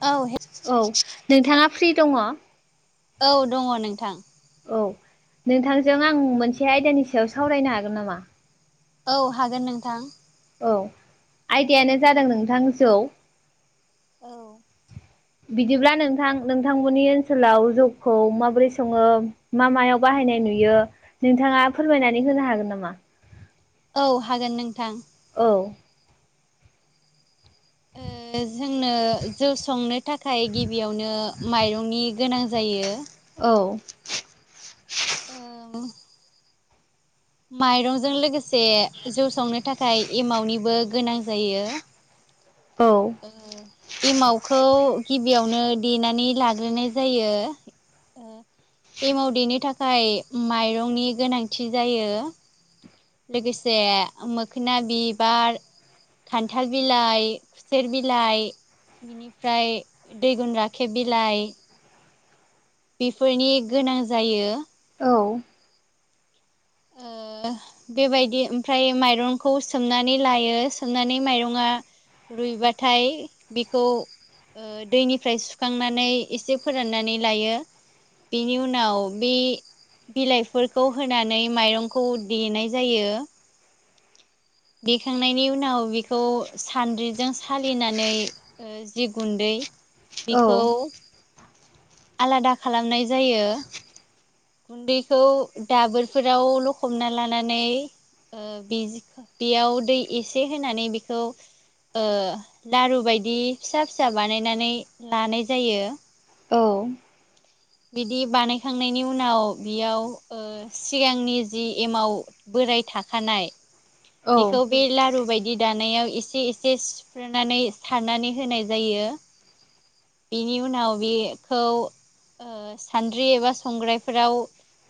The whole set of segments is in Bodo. औ औ नोंथाङा फ्रि दङ औ दङ नोंथां औ नोंथांजों आं मोनसे आयदानि सायाव सावरायनो हागोन नामा औ हागोन नोंथां औ आयदायानो जादों नोंथां जौ औ बिदिब्ला नोंथां नोंथांमोननि ओनसोलाव जौखौ माबोरै सङो मा मायाव बा बाहायनाय नुयो नोंथाङा फोरमायनानै होनो हागोन नामा औ हागोन नोंथां औ ओ जोंनो जौ संनो थाखाय गिबियावनो माइरंनि गोनां जायो औ औ माइरंजों लोगोसे जौ संनो थाखाय एमावनिबो गोनां जायो [inaudible] ओ एमावखौ गि बियावनो देनानै लाग्रोनाय जायो एमाव देनो थाखाय माइरंनि गोनांथि जायो लोगोसे मोखोना बिबार खान्थाल बिलाइ खुसेर बिलाइ बिनिफ्राय दैगुन राखेब बिलाइ बेफोरनि गोनां जायो औ ओ बेबायदि ओमफ्राय माइरंखौ सोमनानै लायो सोमनानै माइरंङा रुइबाथाय बेखौ ओ दैनिफ्राय सुखांनानै एसे फोराननानै लायो बेनि उनाव बे बिलाइफोरखौ होनानै माइरंखौ देनाय जायो देखांनायनि उनाव बेखौ सान्द्रिजों सालिनानै जि गुन्दै [inaudible] औ आलादा खालामनाय जायो। गुन्दैखौ दाबोरफोराव लखबना लानानै ओ [inaudible] बेयाव दै एसे होनानै बेखौ ओ लारु बायदि फिसा फिसा बानायनानै लानाय जायो। औ बिदि बानायखांनायनि उनाव बियाव ओ सिगांनि जि एमाव बो राय थाखानाय औ बेखौ बे लारू बायदि दानायाव एसे एसे सिुफ्रनानै सारनानै होनाय जायो। बेनि उनाव बिखौ सान्द्रि एबा संग्रायफोराव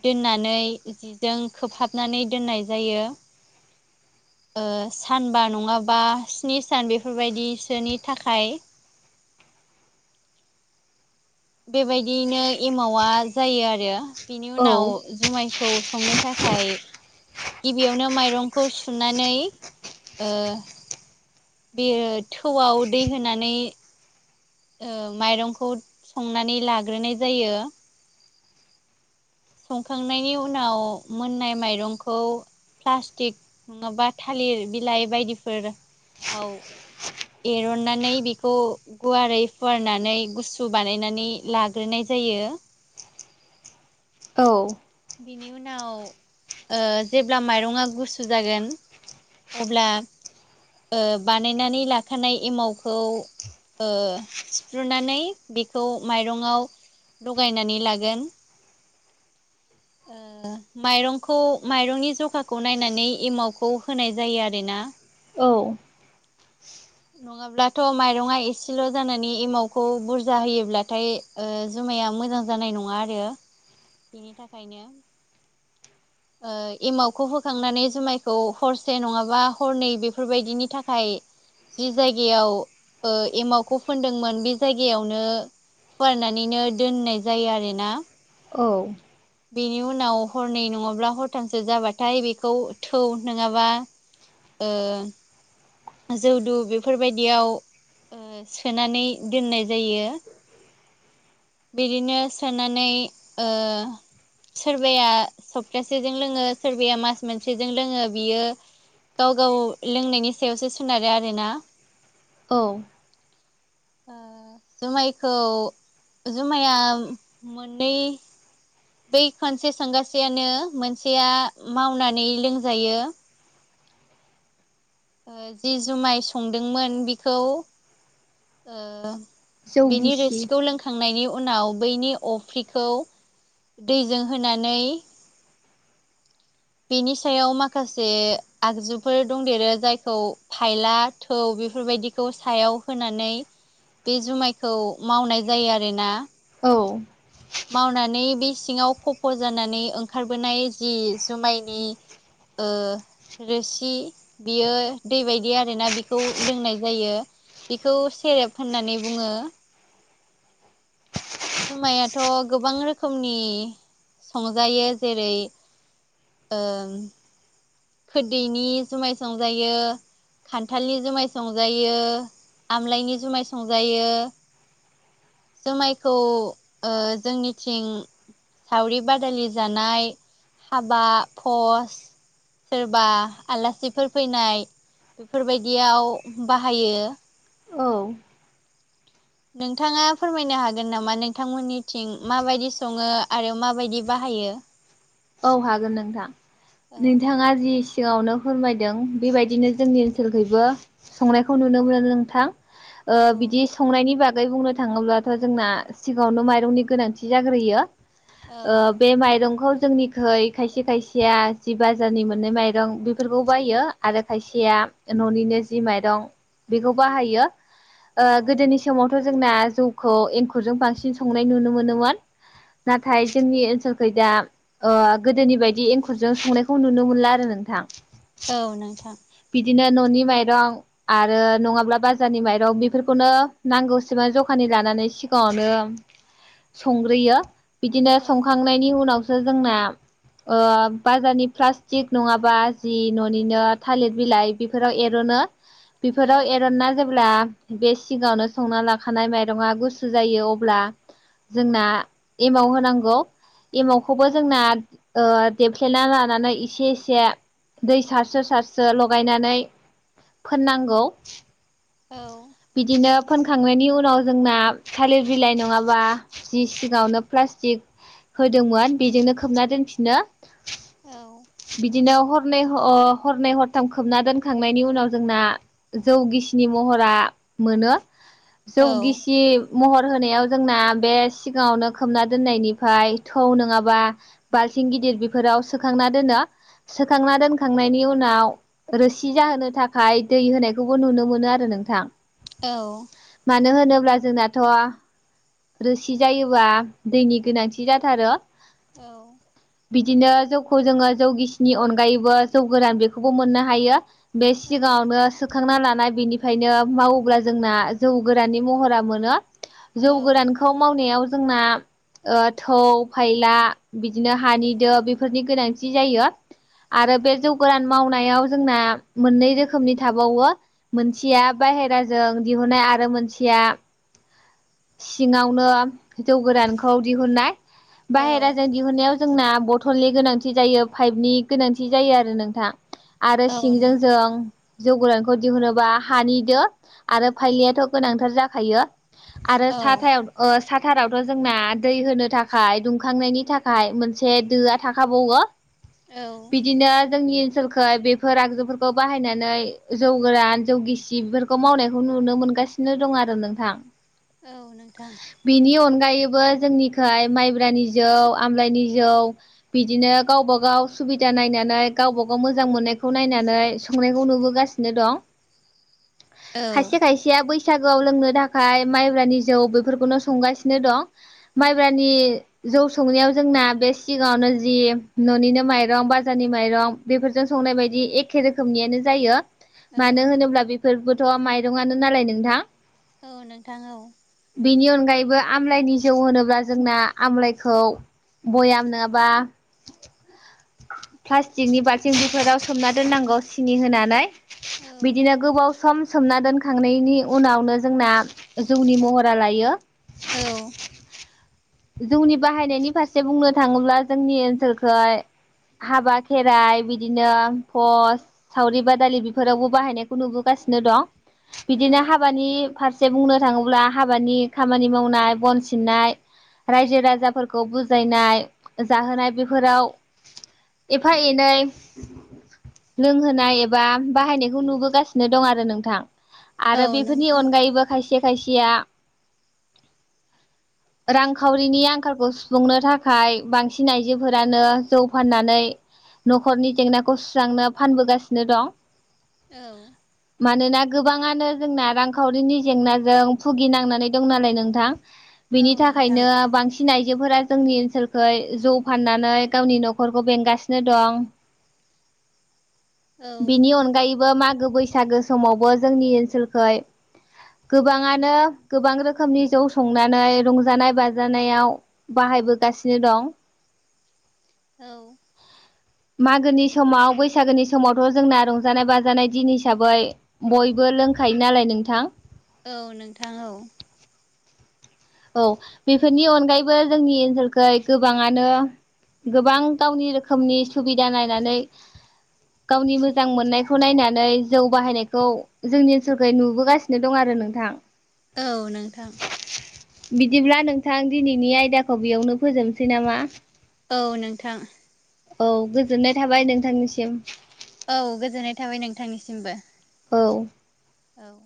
दोननानै जिजों खोबहाबनानै दोननाय जायो ओ सानबा नङाबा स्नि सान बेफोर बायदिसोनि थाखाय [inaudible] बेबायदियैनो एमावा जायो आरो बेनि उनाव जुमाय खौ संनो थाखाय गिबियावनो माइरंखौ सुनानै बे ओ थौआव दै होनानै ओ माइरंखौ संनानै लाग्रोनाय जायो। संखांनायनि उनाव मोननाय माइरंखौ प्लास्टिक नङाबा थालिर बिलाइ बायदिफोराव एरननानै बेखौ गुवारै फुवारनानै गुसु बानायनानै लाग्रोनाय जायो औ बिनि उनाव ओ जेब्ला माइरङा गुसु जागोन अब्ला ओ बानायनानै लाखानाय एमावखौ ओ सिफ्रुनानै बेखौ माइरंआव लगायनानै लागोन [inaudible] ओ माइरंखौ माइरंनि जखाखौ नायनानै एमावखौ होनाय जायो आरोना। औ नङाब्लाथ' माइरङा एसेल' जानानै एमावखौ बुरजा होयोब्लाथाय ओ जो माया मोजां जानाय नङा आरो बिनि थाखायनो ओ एमावखौ होखांनानै जुमायखौ हरसे नङाबा हरनै बेफोर बायदिनि थाखाय जि जायगायाव ओ एमावखौ फोनदोंमोन बे जायगायावनो फवारनानैनो दोननाय जायो आरोना। औ बेनि उनाव हरनै नङा ब्ला हरथामसो जाबाथाय बेखौ थौ नोङाबा ओ जौ दु बेफोर बायदियाव ओ सोनानै दोननाय जायो। बिदिनो सोनानै ओ सोरबाया सप्तासेजों लोङो सोरबाया मास मोनसेजों लोङो बियो गाव गाव लोंनायनि सायावसो सोनारो आरोना। औ। ओ जुमायखौ जुमाया मोननै। बै खोनसे संगासेयानो मोनसेया मावनानै लोंजायो। जि जुमाय संदोंमोन बिखौ ओ जौ बिनि गिसि रोसिखौ लोंखांनायनि उ उनाव बैनि अफ्रिखौ दैजों होनानै [inaudible] बेनि सायाव माखासे आगजुफोर दंदेरो जायखौ फायला थौ बे बेफोरबायदिखौ सायाव होनानै बे जुमायखौ मावनाय जायो आरोना। औ। मावनानै बे सिङाव खफ' जानानै ओंखारबोनाय जि जुमायनि। रोसि बियो दै बायदि आरोना बिखौ लोंनाय जायो। बिखौ सेरेब होननानै बुङो। जुमायाथ' गोबां रोखोमनि संजायो जेरै। खोरदैनि जुमाय संजायो। खान्थालनि जुमाय संजायो आमलायनि जुमाय संजायो जुमायखौ जोंनिथिं। सावरि बादालि जानाय हाबा पस सोरबा आलासिफोर फैनाय बेफोरबायदियाव बाहायो। औ। नोंथाङा फोरमायनो हागोन नामा नोंथांमोननिथिं माबायदि सङो आरो माबायदि बाहाय। बाहायो। औ हागोन नोंथां औ नोंथाङा जि सिङावनो फोरमायदों बेबायदिनो जोंनि ओनसोलखैबो संनायखौ नुनो मोनो नोंथां बिदि संनायनि बागै आगै बुंनो थाङोब्लाथ' जोंना सिगाङावनो माइरंनि गोनांथि जाग्रोयो औ बे माइरंखौ जोंनिखै खायसे खायसेया जि बाजारनि मोननै माइरं बेफोरखौ बायो आरो खायसेया। न'निनो जि माइरं बेखौ बाहायो औ औ गोदोनि समाव जोंना जौखौ एंखुरजों बांसिन संनाय नुनो मोनोमोन। नाथाय जोंनि ओनसोलखै दा। गोदोनि बायदि एंखुरजों संनायखौ नुनो मोनला आरो नोंथां औ नोंथां। बिदिनो न'नि माइरं आरो नङाब्ला बाजारनि माइरं बेफोरखौनो नांगौसेबां जखानि लानानै सिगाङावनो संग्रोयो बिदिनो औ संखांनायनि उनाव जोंना बाजारनि प्लास्टिक नङाबा जि न'निनो थालिर बिलाइ बेफोराव एर'नो। औ बेफोराव एरनाना जेब्ला। बे सिगाङावनो संना लाखानाय माइरंआ गुसु जायो अब्ला जोंना एमाव होनांगौ एमाव खौबो जोंना देफ्लेना लानानै एसे एसे दै सारसो सारसो लगायनानै फोननांगौ। औ। बिदिनो फोनखांनायनि उनाव जोंना थालिर बिलाइ नङाबा जि सिगावनो प्लास्टिक होदोंमोन बेजोंनो खोबना दोनफिनो औ बिदिनो हरनै हरनै हरथाम खोबना दोनखांनायनि उनाव जोंना जौ गिसि। नि महरा मोनो औ जौ गिसि महर होनायाव जोंना बे सिगाङावनो खोमना दोननायनिफ्राय थौ नङाबा बाल्थिं। थिं गिदिर बेफोराव सोखांना दोनो सोखांना दोनखांनायनि उनाव रोसि जाहोनो थाखाय दै होनायखौबो नुनो मोनो आरो नोंथां औ मानो होनोब्ला जोंनाथ' रोसि जायोबा दैनि गोनांथि जाथारो औ बिदिनो जौखौ जोङो जौ गिसिनि अनगायैबो जौ गोरान बेखौबो मोननो हायो बे औ सिगाङावनो सोखांना ला बेनिफ्रायनो मावोब्ला जोंना जौ गोराननि महरा मोनो औ जौ गोरानखौ मावनायाव जोंना ओ थौ फायला बिदिनो हानि दो बेफोरनि गोनांथि जायो। आरो बे जौ गोरान मावनायाव जोंना मोननै रोखोमनि थाबावो मोनसेया बाहेराजों दिहुननाय आरो मोनसेया सिङावनो जौ गोदानखौ दिहुननाय औ बाहेराजों दिहुनायाव जोंना बथलनि गोनांथि जायो पाइपनि गोनांथि जायो आरो नोंथां आरो औ सिंजों नोंथां जों जौ गोरानखौ दिहुनोबा हानिदो आरो फाइलियाथ' गोनांथार जाखायो आरो औ साथायाव ओ साथारावथ' जोंना दै होनो थाखाय दुंखांनायनि थाखाय मोनसे दोआ थाखाबावो औ बिदिनो जोंनि ओनसोलखो बेफोर आगजुफोरखौ बाहायनानै जौ गोरान जौ गिसि बेफोरखौ मावनायखौ नुनो मोनो मोनगासिनो दं आरो नोंथां औ नोंथां जोंनिखाय माइब्रानि जौ आमलाइनि जौ बिदिनो गावबा गाव सुबिदा नायनानै गावबा गाव मोजां मोननायखौ नायनानै संनायखौ नुबोगासिनो दं। औ खायसे खायसेया बैसागोआव लोंनो थाखाय माइब्रानि जौ बेफोरखौनो संगासिनो दं माइब्रानि जौ संनायाव जोंना बे सिगाङावनो जि न'निनो माइरं बाजारनि माइरं बेफोरजों संनाय बायदि एखे रोखोमनि जायो औ मानो होनोब्ला बेफोरबोथ' माइरंनो नालाय नोंथां औ नोंथां औ बेनि अनगायैबो आमलाायनि जौ होनोब्ला जोंना आमलाइखौ बयाम नङाबा प्लास्टिकनि बाल्थिं बेफोराव सोमना दोननांगौ सिनि होनानै औ बिदिनो गोबाव सम सोमना दोनखांनायनि उनावनो जोंना जौनि महरा लायो। औ जौनि बाहायनायनि फारसे बुंनो थाङोब्ला जोंनि ओनसोलखै हाबा खेराइ बिदिनो पस सावरि बादालि बेफोरावबो बाहायनायखौ नुबोगा सिनो दं औ बिदिनो हाबानि फार से बुंनो थाङोब्ला हाबानि खामानि मावनाय बन सिननाय रायजो राजाफोरखौ बुजायनाय जाहोनाय बेफोराव एफा एनै लोंहोनाय एबा बाहायनायखौ नुबोगासिनो दं आरो नोंथां आरो औ बेफोरनि नोंथां अनगायैबो खायसे खायसेया रां खावरिनि आंखालखौ सुफुंनो थाखाय बांसिन आइजोफोरानो जौ फाननानै न'खरनि जेंनाखौ सुस्रांनो फानबोगासिनो दं। औ मानोना गोबाङानो जोंना रांखावरिनि जेंनाजों भुगिनांनानै दं नालाय नोंथां औ बिनि थाखायनो बांसिन आइजोफोरा जोंनि ओनसोलखै जौ फाननानै गावनि न'खरखौ बेंगासिनो दं। बिनि अनगायैबो मागो बैसागो समावबो जोंनि ओनसोलखै गोबाङानो गोबां रोखोमनि जौ संनानै रंजानाय बाजानायाव बा हायबोगासिनो दं औ मागोनि समाव बैसागोनि समावथ' जोंना रंजानाय बाजानाय दिन हिसाबै बय बो लोंखायो नालाय नोंथां औ नोंथां औ औ बेफोरनि अनगायैबो जोंनि ओनसोलखै गोबांङानो गोबां गावनि रोखोमनि सुबिदा नायनानै गावनि मोजां मोननायखौ नायनानै जौ बाहायनायखौ जोंनि ओनसोलखौ नुबोगासिनो दं आरो नोंथां औ नोंथां बिदिब्ला नोंथां दिनैनि आयदाखौ बेयावनो फोजोबनोसै नामा औ नोंथां औ गोजोननाय औ थाबाय नोंथांनिसिम औ गोजोननाय थाबाय नोंथांनिसिमबो औ औ